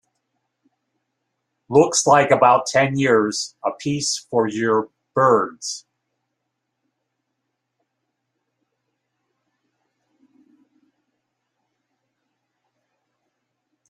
Looks like about ten years a piece for you birds.